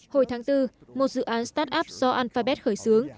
hồi tháng bốn một dự án start up do alphabet khởi xướng